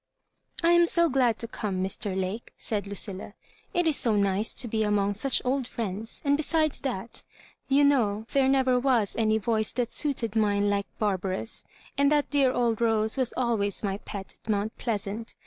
" I am so glad to come, Mr. Lake," said Lucilla. "It is so nice to be among such old friends; and, besides that, you know there never was any voice that suited mine like Barbara's ; and that dear old Rose was always my pet at Mount Pleasant.